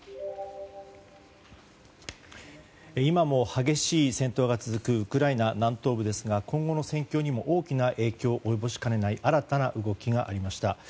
今も激しい戦闘が続くウクライナ南東部ですが今後の戦況にも大きな影響を及ぼしかねない新たな動きがありました。